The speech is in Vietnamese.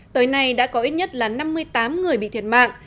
tới nay đã có ít nhất là năm mươi tám người bị thiệt mạng